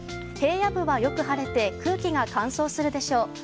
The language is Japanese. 平野部はよく晴れて空気が乾燥するでしょう。